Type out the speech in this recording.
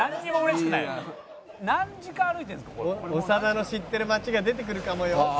「長田の知ってる街が出てくるかもよ」